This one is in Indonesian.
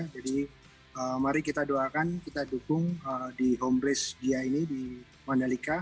jadi mari kita doakan kita dukung di home place dia ini di mandalika